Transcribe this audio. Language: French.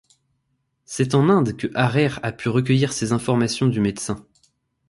C'est en Inde que Harrer pu recueillir ces informations du médecin.